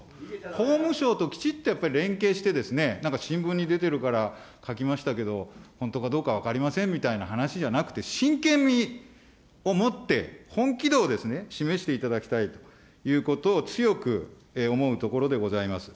法務省ときちっとやっぱり連携して、なんか新聞に出てるから書きましたけど、本当かどうか分かりませんみたいな話じゃなくて、真剣味を持って、本気度を示していただきたいということを、強く思うところでございます。